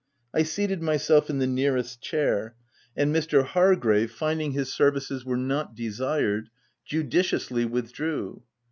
I seated myself in the nearest chair; and Mr. 136 THE TENANT Hargrave, finding his services were not desired, judiciously withdrew.